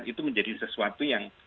itu menjadi sesuatu yang